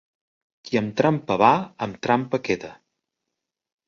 Qui amb trampa va, amb trampa queda.